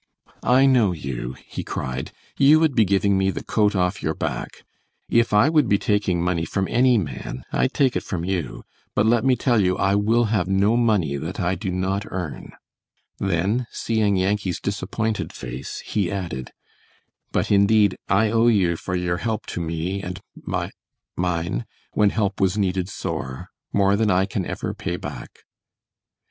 "I know you," he cried; "you would be giving me the coat off your back. If I would be taking money from any man I'd take it from you, but let me tell you I will have no money that I do not earn;" then, seeing Yankee's disappointed face, he added, "but indeed, I owe you for your help to me and mi mine, when help was needed sore, more than I can ever pay back."